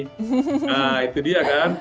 nah itu dia kan